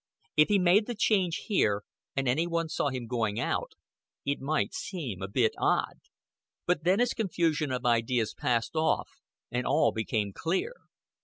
If he made the change here, and any one saw him going out, it might seem a bit odd. But then his confusion of ideas passed off, and all became clear.